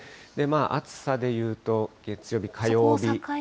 暑さで言うと、月曜日、火曜日。